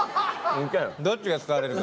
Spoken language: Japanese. どっちが使われるか。